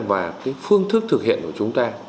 và cái phương thức thực hiện của chúng ta